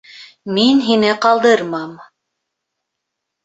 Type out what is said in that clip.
Мин һине ҡалдырмам.